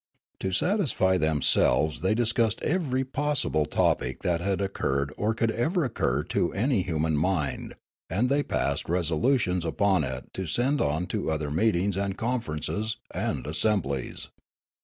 To satisfy themselves they discussed every possible topic that had occurred or could ever occur tc any human mind, and they passed resolutions upon it to send on to other meetings and conferences and assemblies.